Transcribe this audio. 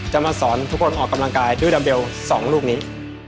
จะมาสอนทุกคนออกกำลังกายด้วยดัมเบล๒ลูกนี้